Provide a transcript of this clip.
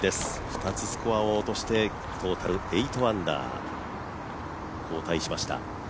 ２つスコアを落としてトータル８アンダー後退しました。